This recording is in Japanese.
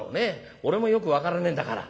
俺もよく分からねえんだから」。